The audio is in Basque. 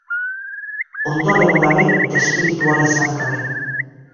Ondoan egon gabe, despeditu ahal izan gabe.